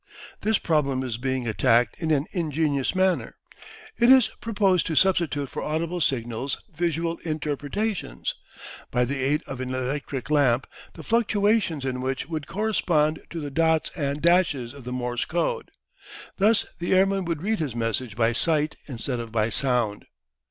This problem is being attacked in an ingenious manner. It is proposed to substitute for audible signals visual interpretations, by the aid of an electric lamp, the fluctuations in which would correspond to the dots and dashes of the Morse code. Thus the airman would read his messages by sight instead of by sound.